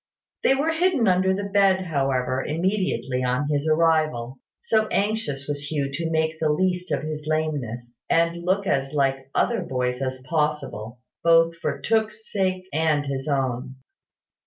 They were hidden under the bed, however, immediately on his arrival; so anxious was Hugh to make the least of his lameness, and look as like other boys as possible, both for Tooke's sake and his own.